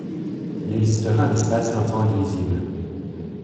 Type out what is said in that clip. Il existerait un espace et un temps indivisibles.